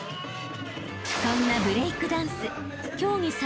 ［そんなブレイクダンス競技